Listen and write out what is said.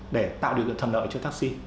để tạo được thần nợ cho taxi